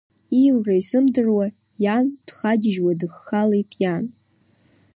Ииура изымдыруа, иан, дхагьежьуа дыххалеит, иан!